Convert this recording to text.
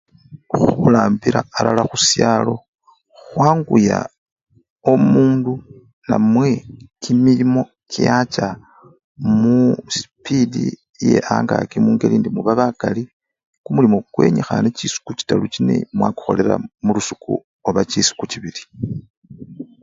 Khurambila alala khusyalo khwanguya omundu namwe kimilimo kyacha musipidi ye-angaki mungeli indi muba bakali, kumulimu kukwenyikhane musiku chitaru chine mwakukholela mulusiku oba muchisiku chibili.